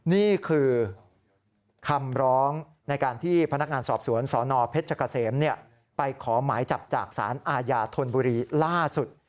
นี่คือคำร้องในการที่พนักงานสอบสวนสนเพชรเกษมไปขอหมายจับจากสารอาญาธนบุรีล่าสุด